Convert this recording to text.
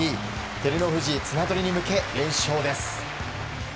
照ノ富士、綱取りに向け連勝です。